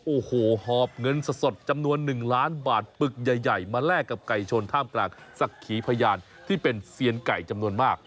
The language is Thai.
โอ้โหหอบเงินสดจำนวน๑ล้านบาทปึกใหญ่มาแลกกับไก่ชนท่ามกลางศักดิ์ขีพยานที่เป็นเซียนไก่จำนวนมาก